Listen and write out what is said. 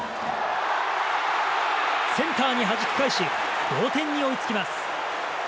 センターにはじき返し同点に追いつきます。